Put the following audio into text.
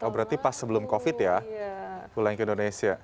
oh berarti pas sebelum covid ya pulang ke indonesia